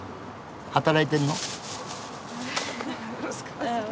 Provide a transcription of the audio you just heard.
働いてんの？